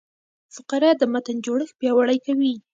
فقره د متن جوړښت پیاوړی کوي.